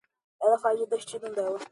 Ela faz o destino dela